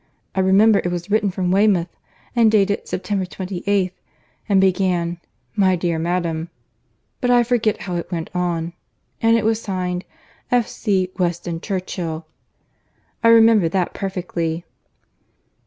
I remember it was written from Weymouth, and dated Sept. 28th—and began, 'My dear Madam,' but I forget how it went on; and it was signed 'F. C. Weston Churchill.'—I remember that perfectly."